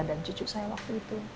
dan cucu saya waktu itu